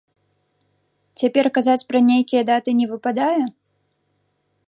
Цяпер казаць пра нейкія даты не выпадае?